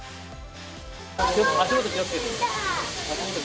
足元気を付けて。